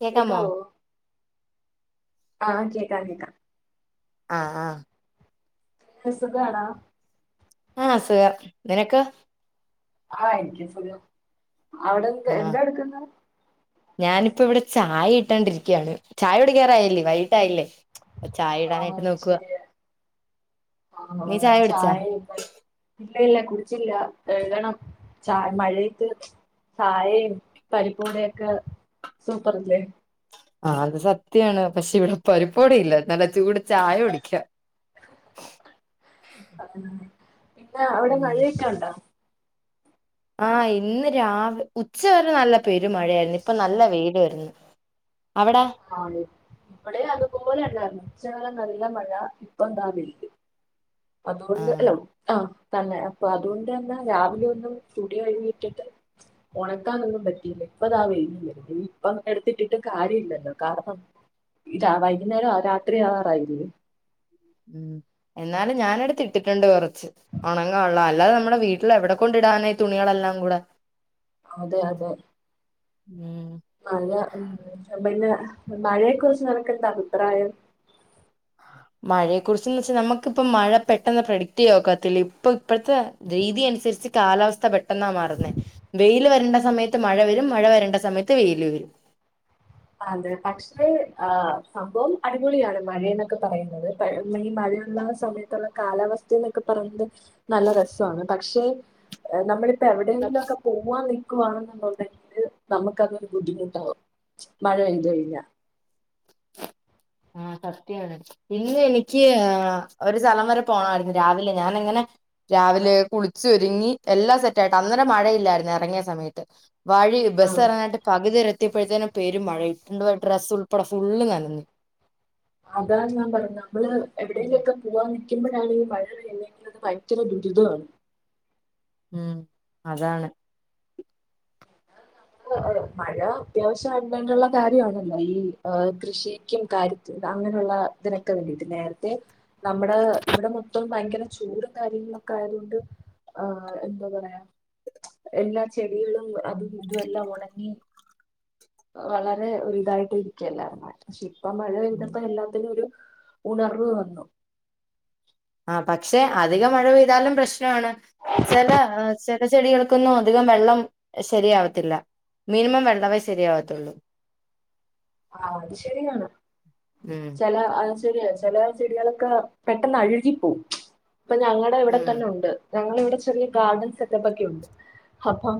കേക്കാമോ കേക്കാവോ ആഹ് കേക്കാം കേക്കാം ആഹ ആഹ സുഖമാണാ ആഹ് സുഖം നിനക്കോ ആഹ എനിക്ക് സുഖം അവിടെന്ത ആഹ് എന്താ എടുക്കുന്നത് ഞാനിപ്പോ ഇവിടെ ചായ ഇട്ടാണ്ടിരിക്കയാണ് ചായ ഇവിടെ കയറായല്ലേ വൈകിട്ട ആായില്ലേ ചായ ഇടാനായിട്ട് നോക്കുക ആഹ ചായ ഇല്ല എഴുതണം ചായ മഴക്ക് ചായയും പരിപ്പോടൊക്കെ സൂപ്പർല്ലേ ആ അത് സത്യാണ് പക്ഷെ ഇവിടെ പരിപ്പോട ഇല്ല നല്ല ചൂട് ചായ കുടിക്കുക അത പിന്നെ അവിടെ ഉം മഴയൊക്കെ ഉണ്ടോ ആഹ് ഇന്ന് രാവ ഉച്ച വരെ നല്ല പെരു മഴയായിരുന്നു ഇപ്പൊ നല്ല വെട് വരുന്നു അവിടാ ആ ഇവിടെ അതൊക്ക പോലെ അല്ലായിരുന്നു ഉച്ച നല്ല മഴ ഇപ്പൊന്താനില് ആഹ് അതുകൊണ്ട്ല്ലോ ആ തന്നെ അപ്പൊ അതുകൊണ്ട് തന്നെ രാവിലെ ഒന്നും സ്റ്റുഡിയോ കഴിയിട്ടിട്ട് ഉണക്കാൻൊന്നും പറ്റിയില്ല ഇപ്പതാ വരില്ല ഇപ്പ എടുത്തിട്ടിട്ട് കാര്യമില്ലല്ലോ കാരണം വൈകുന്നേരം രാത്രി ആകറായില്ലേ ഉ എന്നാലും ഞാന എടുത്ത് ഇട്ടിട്ടുണ്ട് കൊറച്ച് ഉണങ്ങള്ളൻ അല്ല നമ്മുടെ വീട്ടിൽ എവിടെ കൊണ്ട് ഇടാനായിഈ തുണികളെല്ലാം കൂടെ അതെ അതെ ഉം മഴ ഉ പിന്നെ മഴയെ കുുറിച്ച് നിനക്ക എന്ത അഭിപ്രായം മഴയെ കുറിച്ചെന്ന് വെച്ചാൽ നമുക്കിപ്പ മഴ പെട്ടെന്ന് പ്രഡിക്ട് ചെയ്യ നോക്കാത്തില്ല ഇപ്പ ഇപ്പോഴത്തെ രീതി അനുസരി തിരിച്ച് കാലാവസ്ഥ പെട്ടെന്നാ മാറുന്നേ വെയിൽ വരേണ്ട സമയത്ത് മഴ വരും മഴ വരേണ്ട സമയത്ത് വെയിൽ വരും അ അതെ പക്ഷേ ആ സംഭവം അടിപൊളിയാണ് മഴ എന്നൊക്കെ പറയുന്നത് മെയ മഴ സമയത്തുള്ള കാലാവസ്ഥ എന്നൊക്കെ പറയുന്നത് നല്ല രസമാണ് പക്ഷെ നമ്മള ഇപ്പൊ എവിടെയെങ്കിലും ഒക്കെ പോവാൻ നൽക്കുവാണെന്നുണ്ടെങ്കില് നമുക്കതൊരു ബുദ്ധിമുട്ടാാവും മഴ പെയ്തുഴല്ല ആഹ സത്യാണ് പിന്ന എനിക്ക് ഒരു സ്ഥലം വരെ പോണമായിരുന്നു രാവിലെ ഞാാന എങ്ങനെ രാവിലെ കുളിച്ചു ഒരുരുങ്ങി എല്ലാം സെറ്റ ആായിട്ട് അന്നരം മഴയില്ലായിരുന്നു ഇറങ്ങിയ സമയത്ത് വഴി ബസ് ഇറങ്ങാനായിട്ട് പകുതി ഇ എത്തിയപ്പോഴത്തേനും പേും മഴ ഇട്ടുണ്ട് പോ ഡ്രസ്സ് ഉൾപ്പെടെ ഫുള്ള് നനന്ദി അതാ ഞാൻ പറഞ്ഞേ. നമ്മള് ഉം എവിടേങ്കിലൊക്കെ പോവാൻ നി ുമ്പോഴാണെങ്കിൽ പഴല്ലെങ്കിൽ അത് ഭയങ്കര ദുരിതമാണ് ഉം അതാണ് മഴ അത്യാവശ്യം വണ്ടുള്ള കാര്യമാണല്ലോ ഈ കൃഷിക്കും കാര്യത്തിും അങ്ങനെയുള്ള ഇതിനൊക്കെ വേണ്ടിട്ട് നേരത്തെ നമ്മുടെ ഇവിടെ മൊത്തം ഭയങ്കര ചോറും കാര്യങ്ങളൊക്കെ ആയതൊണ്ട് ആ എന്താ പറയാ എല്ലാ ചെടികളും അതും അത എല്ലാം ഉണങ്ങി വളരെ ഒരു ഇതായിട്ട് ഇരിക്കുകല്ലായിാ ശ അ മഴ ഉം പെയ്തത്ത എല്ലാത്തിനും ഒരു ഉണർവ് വന്നു ആ പക്ഷെ അധിക മഴ പെയ്താലും പ്രശ്നമാണ് ചില ചില ചെടികൾ അ വെ ശരിയാല്ല മിന ഉള്ളവേ ശരിയാവാത്തുള്ളൂ ആ അത് ശരിയാണ് ഉം ചില അ ശെരിയ ചില ചെടികളൊക്കെ പെട്ടെന്ന് അഴുകിപ്പോവും ഇപ്പൊ ഞങ്ങളുടെ ഇവിടെ ഉം തന്നെ ഉണ്ട് ഞങ്ങള ഇവിടെ ചെറിയ ഗാർഡൻസ് ഒക്കൊക്കെ ഉണ്ട് അപ്പം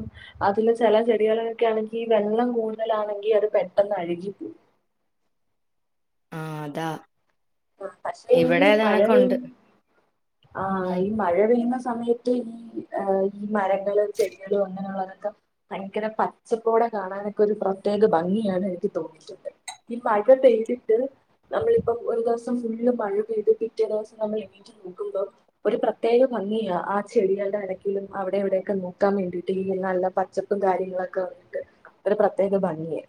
അതില് ചില ചെടികളൊക്കെ ആണെങ്കിൽ വെള്ളം കൂടുതലാണെങ്കി അത് പെട്ടെന്ന്ഴുകി ആഹ അതാ ആ പക്ഷെ ഈ ഇവിടെ അത് മഴ പെയ കണക്കുണ്ട് ആ ഉം ഈ മഴ പെയ്യുന്ന സമയത്ത് ഈ ഈ മരങ്ങള് ചെടികള അങ്ങനെയുള്ള ഭയങ്കര പച്ചപ്പോടെ കാണാനൊക്കെ ഒരു പ്രത്യേക ഭംഗിയാണ് എനിക്ക് തോന്നിയിട്ടുണ്ട് ഈ മഴ പെയ്തിട്ട് നമ്മളിപ്പം ഒരു ദിവസം ഫുള്ള് മഴ പെയ്ത് പിറ്റേ ദിവസം നമ്മൾ എണീറ്റ് നോക്കുമ്പോൾ ഒരു പ്രത്യേക ഭംഗിയാ ആ ചെടി ടെ എടക്കിലും അവിടെ എവിടെയൊക്കെ നോക്കാൻ വേണ്ടിട്ട്ങ്കിൽ നല്ല പച്ചപ്പും കാര്യങ്ങളൊക്കെ വന്നിട്ട് ഒരു പ്രത്യേക ഭംഗിയ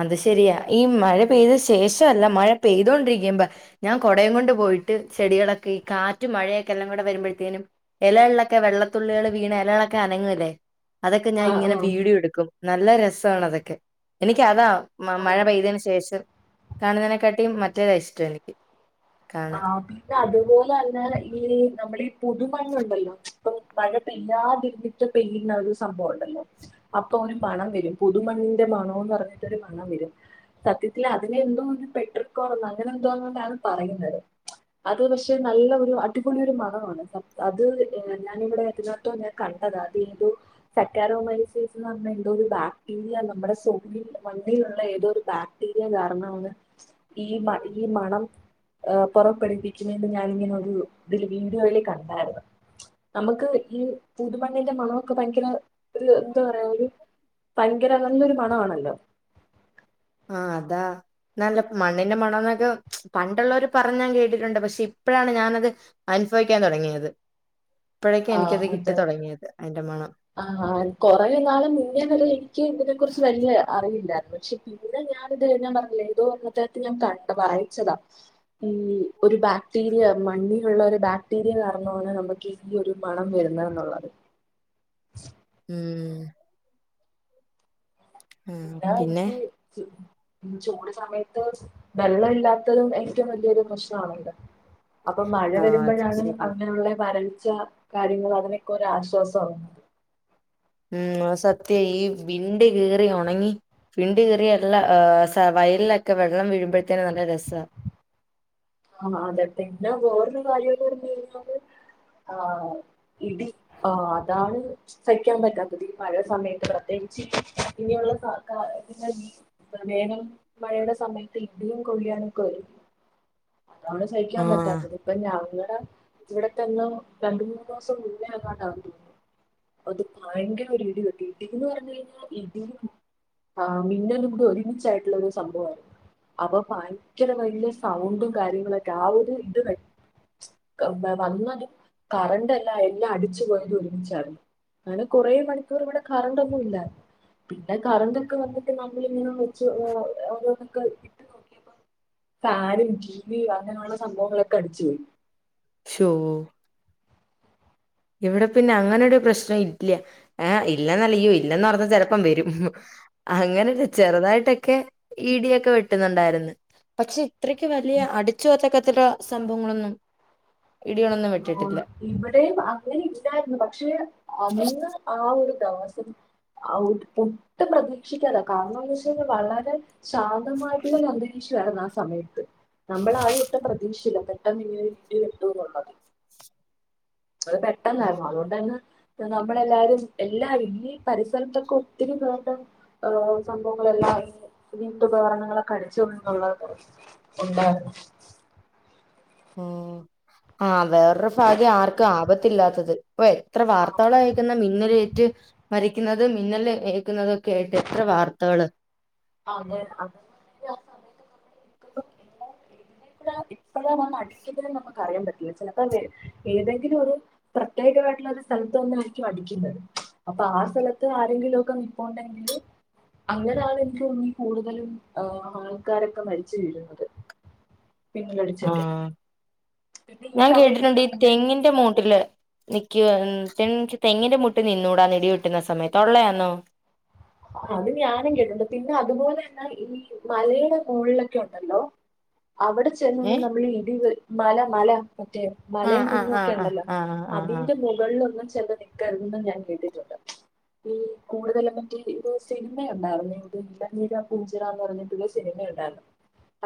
അത് ശരിയാ ഈ മഴ പെയ്ത ശേഷമല്ല മഴ പെയ്തോണ്ടിരിക്കുമ്പോ ഞാൻ കുടയും കൊണ്ട് പോ പോയിട്ട് ചെടികളൊക്കെ ഈ കാറ്റും മഴയൊക്കെ എല്ലാം കൂടെ വരുമ്പഴത്തേനും ഇലകള്ളൊക്കെ വെള്ളത്തുള്ളികൾ വീണ ലകളൊക്കെ അനങ്ങല്ലേ അതൊക്കെ ഞാൻ ഇങ്ങനെ ആഹ് വീടിയൊ എടുക്കും നല്ല രസമാണ് അതൊക്കെ എനിക്ക് അതാ മ മഴ ആഹ് പെയ്തന് ശേഷം കാണുന്നതിനെക്കാട്ടിയും മറ്റേത ഇഷ്ടം എനിക്ക് ആ കാണാൻ. പിന്നെ അതുപോലെ തന്നെ ഈ നമ്മളീ പുതുമണ്ണുണ്ടല്ലോ മഴ പെയ്യാതിരുന്നിട്ട് പെയ്യുന്ന ഒരു സംഭവം ഉണ്ടല്ലോ അപ്പൊ ഒരു മണം വരും പുതുമണ ന്റെ മണോന്ന് പറഞ്ഞിട്ട് മണം വരും സത്യത്തി അതിനെ എന്തോ പെട്രികോൾ അങ്ങനെ എന്തോന്നണ്ടാണ് പറയുന്നത് അത് പക്ഷെ നല്ല ഒരു അടിപൊളി ഒരു മണമാണ് അത് ഞാനിവിടെ എതിനോട്ടം ഞാൻ കണ്ട ത അത് ഇതും സക്കരോമൈസെറ്റ് എന്ന് പറഞ്ഞ എന്തോ ഒരു ബാക്ടീരിയ നമ്മ സോപ്പിൽ മണ്ണിൽ ള്ള ഏതോരു ബാക്ടീരിയ കാരണമാണ് ഈ മ ഈ മണം ഏ പുറപ്പെടുപ്പിക്കുന്നുണ്ട ഞാനിങ്ങനെ ഒരു ഇതില് വീഡിയോയില് കണ്ടായിരുന്നു നമുക്ക് ഈ പുതു മണ്ണിന്റെ മണൊക്കെ ഭയങ്കര ഒരു എന്താ പറയാ ഒരു ഭയങ്കര നല്ലൊരു മണ ആണല്ലോ ആ അതാ നല്ല മണ്ണിന്റെ മണന്നൊക്കെ പണ്ടുള്ളവര് പറഞ്ഞ ഞാൻ കേട്ടിട്ടുണ്ട് പക്ഷെ ഇപ്പോഴാണ് ഞാനത് അനുഭവിക്കാൻ തുടങ്ങിയത് ഇപ്പോഴേക്കും എനിക്കത് കിട്ടി തുടങ്ങിയത് അതിന്റെ മണം ആ കൊറേ നാള് മുന്നെന്നൊരു എനിക്ക് ഇതിനെ കുറിച്ച് വല്യ അറി [unintelligible] പക്ഷെ ഇവ്ടെ ഞാനിത് [unintelligible] പറഞ്ഞില്ലേ ഏതോ [unintelligible] ഞാൻ കണ്ട് വായിച്ചതാ ഈ ഒരു ബാക്ടീരിയ മണ്ണിലുള്ള ഒരു ബാക്ടീരിയ കാരണമാണ് നമുക്ക് ഈ ഈ ഒരു മണം വരുന്നെന്നു ള്ളത് ഉം പിന്നെ [unintelligible] ക്കീ ച് ചൂട് സമയത്ത് വെള്ളല്ലാത്തതും ഏറ്റവും വലിയൊരു പ്രശ്നാണല്ലോ അപ്പൊ മഴ ആഹ് അത് വരുമ്പോഴാണ് ശരിയാ അങ്ങനെയുള്ള വര ൾച്ച കാര്യങ്ങൾ അതിനൊക്കെ ഒരാശ്വാസാകുന്നത് ഉം സത്യ ഈ വിണ്ട് കീറി ഒണങ്ങി വിണ്ട് കീറി എല്ലാം സ വയൽലൊക്കെ വെള്ളം വീഴുമ്പോഴത്തേനും നല്ല രസാ ആ അതെ പിന്നെ വേറൊരു കാര്യംന്ന് പറഞ്ഞ് കയ്ഞ്ഞാല് ആ ഇടി ആ അതാണ് സയ്ക്കാൻ പറ്റാത്തത് ഈ മഴ സമയത്ത് പ്രത്യേകി ച്ച് ഇനിയുള്ള സർക്കാറ് വീ പ്രമേഹം മഴയ്ടെ സമയത്ത് ഇടിയും കൊ [unintelligible] അതാണ് സഹിക്കാൻ ആഹ് പറ്റാത്തത് ഇപ്പൊ ഞങ്ങടെ ഇവിടെ തന്ന രണ്ട് മൂന്നൂസം മുന്നേ എങ്ങാണ്ടാണെന്ന് തോന്നു അത് ഭയങ്കര ഒരു ഇടിവെട്ടി ഇടീന്ന് പറഞ്ഞയ്ഴിഞ്ഞാ ഇടിയും ആ മിന്നലും കൂടെ ഒരുമിച്ചായിട്ടുള്ള ഒരു സംഭവായ്ര്ന്നു അപ്പൊ ഭയങ്കര വലിയ സൗണ്ടും കാര്യങ്ങളൊക്കെ ആ ഒരു ഇത് കഴി വന്നാലും കറണ്ടല്ല എല്ലാം അടിച്ചുപോയത് ഒരുമിച്ചായിര്ന്നു അങ്ങനെ കുറേ മണിക്കൂർ ഇവിടെ കറണ്ടൊന്നും ഇല്ല പിന്നെ കറണ്ടക്കെ വന്നിട്ട് നമ്മളിങ്ങനെ ഓരോന്നൊക്ക ഇട്ട് നോക്കിയപ്പോ താര വീ അങ്ങനെയുള്ള സംഭവങ്ങളൊക്കെ അടിച്ച് പോയി ശോ ഇവിടെ പിന്നെ അങ്ങനൊരു പ്രശ്നം ഇല്ല ഏ ഇല്ലന്നല്ലിയോ ഇല്ലന്ന് പറഞ്ഞാ ചെലപ്പം വരും അങ്ങനെല്ല ചെറ്തായിട്ടെക്കെ ഇടിയൊക്കെ വെട്ട്ന്ന്ണ്ടായിര്ന്ന് പക്ഷെ അത്രയ്ക്ക് വലിയ അടിച്ച് വച്ചകത്തക്ക സംഭവങ്ങളൊന്നും ഇടികളൊന്നും ആ വെട്ടിട്ടില്ല ഇവിടെയും അങ്ങനെ ഇല്ലായിര്ന്നു പക്ഷെ അന്ന് ആ ഒരു ദെവസം ആ ഒ ഒട്ടും പ്രതീക്ഷിക്കാതാ കാരണംന്ന് വെച്ച് കഴിഞ്ഞാൽ വളരെ ശാന്തമായിട്ട്ള്ളൊരു അന്തരീക്ഷ ആയിര്ന്ന് ആ സമയത്ത് നമ്മൾ ആരും ഒട്ടും പ്രതീക്ഷില്ല പെട്ടെന്നിങ്ങെനെ ടി വെട്ടുന്നുള്ളത് അത് പെട്ടെന്നായിര്ന്നു ഉം അത്കൊണ്ടന്നെ നമ്മളെല്ലാരും എല്ലാരും ഈ പരിസരത്തൊക്കെ ഒത്തിരി പേര്ടെ സംഭവങ്ങളെല്ലാം വീട്ടുപകരണങ്ങളൊക്കെ അടിച് പോയിന്നുള്ളെ ഉണ്ടായിര്ന്നു ഉം ആ വേറൊരു ഫാഗ്യം ആർക്കും ആപത്തില്ലാത്തത് ഓ എത്ര ആ വാർത്തകളാ കേക്ക്ന്നേ മിന്നലേറ്റ് മരി- ന്നത് മിന്നല് ഏക്കുന്നതൊക്കേയ്ട്ട് എത്ര വാർത്തകള് അതെ അത [unintelligible] ഇപ്പഴാണ് അടിക്കുന്നത് നമുക്ക് അറിയാൻ പറ്റില്ല ചിലപ്പോ ഏതെങ്കിലും ഒരു പ്രത്യേകമായിട്ട്ള്ള ഒരു സ്ഥലത്ത് വന്നായിരിക്കും അടിക്കുന്നത് അപ്പൊ ആ സ്ഥലത്ത് ആരെങ്കിലും ഒക്കെ നിപ്പോണ്ടെങ്കില് അങ്ങനെയാണ് എനിക്ക് തോന്നുന്നീ കൂടുതലും ആൾക്കാരൊക്കെ മരിച്ച് വീഴ്ന്നത് ആ പിന്നെ ഈ ഞാൻ സമയത്ത് കേട്ടിട്ട്ണ്ട് ഈ മിന്നൽ തെങ്ങിന്റെ മൂട്ടില് നി ക്യോ തെങ്ങിന്റെ മൂട്ട് നിന്നൂടാന്ന് ഇടി വെട്ട്ന്ന സമയത്ത് ഒള്ളയാന്നോ അത് ഞാനും കേട്ടുണ്ട് പിന്നെ അതുപോലെന്നെ ഈ മലയ്ടെ മോൾലൊക്കെ ഒണ്ടല്ലോ അവിടെ ഏ ചെന്നൊന്നും നമ്മള് ഇടി വെ മല മല മറ്റേ ആഹ് മലയും ആഹ് കുന്നുമൊക്കെ ആഹ് ഒണ്ടല്ലോ ആഹ് ആഹ് ആഹ് ആഹ് അതിന്റെ മുകളിലൊന്നും ചെന്ന് നിക്കര്തെന്നും ഞാൻ കേട്ടിട്ടുണ്ട് ഈ കൂടുതലൊന്നും സിനിമയുണ്ടാറ്ന്നേ ഇത് ഇളനീര പൂഞ്ചിറ എന്ന് പറഞ്ഞിട്ടൊരു സിനിമയുണ്ടാറ്ന്നു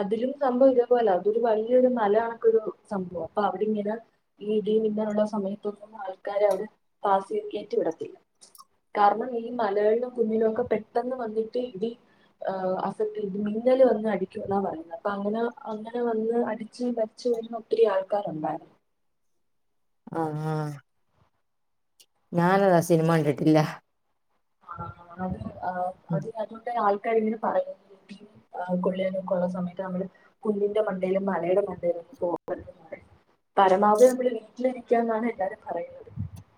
അതിലും സംഭവം ഇതേ പോലാ അതൊരു വലിയൊരു മല കണക്കൊരു സംഭവം അപ്പൊ അവിടെ ഇങ്ങന ഇടി ധാനുള്ള സമയത്തൊന്നും ആൾക്കാരെ അവര് ഫാസിൽ കേറ്റി വിടത്തില്ല കാരണം ഈ മലകളിലും കുന്നിലും ഒക്കെ പെട്ടെന്ന് വന്നിട്ട് ഇടി അഫക്ട് മിന്നല് വന്ന് അടിക്കും ന്നാ പറയുന്നത് അപ്പ അങ്ങനെ അങ്ങനെ വന്ന് അടിച്ച് [unintelligible] രുന്ന ഒത്തിരി ആൾക്കാരുണ്ടായേ ആ ആ ഞാനതാ സിനിമ കണ്ടിട്ടില്ല ആ അത് അത് അതിന്റെ ങ്ങനെ പറയ കൊുള്ളൊക്കെള്ള സമയത്ത് നമ്മള് കുഞ്ഞിന്റെ മണ്ടയിലും മലയുടെ മണ്ടയിലും ഓ പണ്ട് പരമാവ്ധി മ്മള് വീട്ടിലിരിക്കാന്നാണ് എല്ലാരും പറയുന്നത്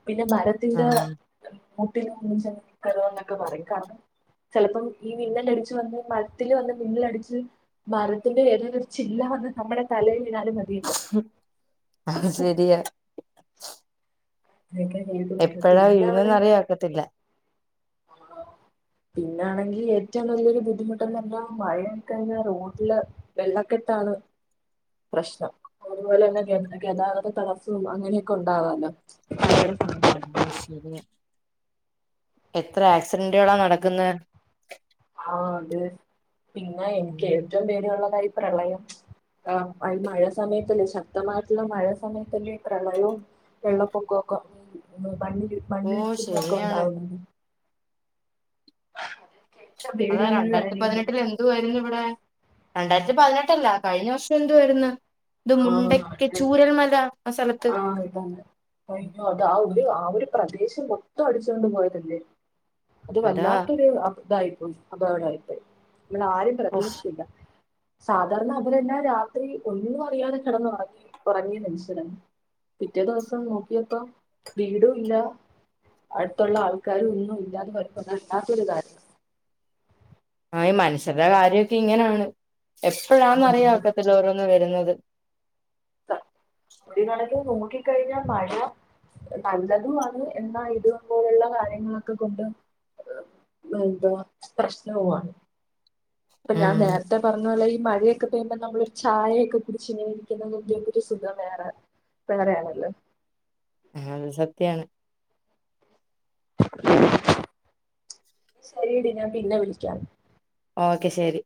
പിന്നെ മരത്തിന്റെ ആഹ് [unintelligible] പറയും കാരണം ചിലപ്പം ഈ മിന്നല അടിച്ച്ു വന്ന് മരത്തില്ൽ വന്ന് മിന്നലടിച്ച് മരത്തിന്റെ ഏതെലൊരു ഒരു ചില്ല അത് നമ്മുടെ തലയിൽവീണാലും മതിയല്ലോ. അത് ശരിയ. അതൊക്കെ കേൾക്കുന്നുണ്ട് എപ്പോഴാ വീഴുക എന്നറിയാഒക്കത്തില്ല. [unintelligible] പിന്നണെങ്കി ഏറ്റവും വലിയൊരു ബുദ്ധിമുട്ട [unintelligible] മഴയൊകെ റോട്ടില് വെള്ളകെ ട്ടാണ് പ്രശ്നം അതുപോലെ ന്നെ ഗ ഗതാഗത തടസ്സും അങ്ങനെയൊക്കെ ഒണ്ടാവാന്ന് ആഹ ശരിയ എത്ര ആക്സിഡന്റുകളാ നടക്കുന്നെ. ആ അത് പിന്നെ എനിക്ക് ഉം ഏറ്റവും പേടിയുള്ളതാ ഈ പ്രളയം. ആ മഴ സമയത്തല്ലേ ശക്തമായിട്ടുള്ള മഴ സമയത്തല്ലേ പ്രളയോം വെള്ളപ്പൊകോകോ മണ്ണില് ഓ മണ്ണിടിച്ചിലൊക്കെ ശരിയാണ് ഉണ്ടാാവുന്നു. ഏറ്റവും അതാ പേടിയുള്ളൊരു രണ്ടായിരത്തി കാര്യാണ് പതിനെട്ടിൽ എന്തു ആരുന്നു ഇവിടെ? രണ്ടായിരത്തി പതിനെട്ടല്ല കഴിഞ്ഞ വർഷം എന്തുവാരുന്ന് ആഹ് അതെ [unintelligible] ആ സ്ഥലത്ത് ആ ഒരു പ്രദേശം മൊത്തം അടിചോണ്ട് പോയതല്ലേ അത് അതാ വല്ലാത്തൊരു ഇതായിപ്പും അതവാടായി പോയി മ്മൾ ആരേം ഓ പ്രതീക്ഷിച്ചില്ല. സാധാരണ അവരെല്ലാ രാത്രി ഒന്നും അറിയാതെ കിടന്ന് ഉറങ്ങി ഉറങ്ങി [unintelligible] പിറ്റേ ദിവസം നോക്കിയപ്പം വീടുല്ല അടുത്തുള്ള ആൾക്കാര് ഒന്നും ഇല്ലാതെ [unintelligible] കാരണം ആ ഈ മനുഷ്യരുടെ കാര്യമൊക്കെ ഇങ്ങനാണ് എപ്പഴാന്നറിയോ കാര്യമാണ് ഒക്കത്തിലും ഓരോന്ന് വരുന്നത് [inaudible] ഒരു കണക്കി നോക്കിക്കഴിഞ്ഞാ മഴ നല്ലതുമാണ് എന്ന ഇതു പോലുള്ള കാര്യങ്ങളൊക്കെ കൊണ്ട് [unintelligible] പ്രശ്നവുആണ് അപ്പൊ ഞാൻ ഉം നേരത്തെ പറഞ്ഞോലെയി മഴയൊക്കെ പെയ്യുമ്പോ നമ്മള ഒരു ചായൊക്കെ കുടിച്ചുണിരിക്കുന്ന [unintelligible] ഒരു സുഖം വേറെ വേറെയാണല്ലോ ആ അത് സത്യാണ്. ശരിടി ഞാൻ പിന്നെ വിളിക്കാം. ഓക്കെ ശരി.